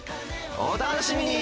お楽しみに！